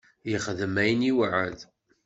Yexdem ayen i iweεεed.